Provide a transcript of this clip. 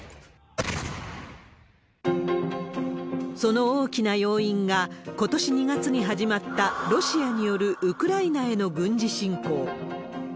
その大きな要因が、ことし２月に始まった、ロシアによるウクライナへの軍事侵攻。